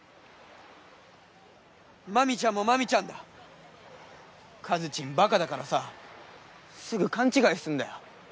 麻美ちゃんも麻美ちゃんだ和ちんバカだからさすぐ勘違いすんだよ